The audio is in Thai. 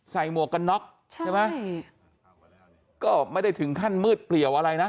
หมวกกันน็อกใช่ไหมใช่ก็ไม่ได้ถึงขั้นมืดเปลี่ยวอะไรนะ